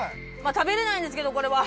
食べれないんですけどこれは。